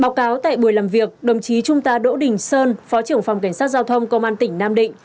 báo cáo tại buổi làm việc đồng chí trung tá đỗ đình sơn phó trưởng phòng cảnh sát giao thông công an tỉnh nam định